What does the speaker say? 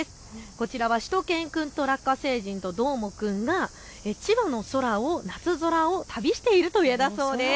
こちらはしゅと犬くんとラッカ星人とどーもくんが千葉の空を、夏空を旅している絵だそうです。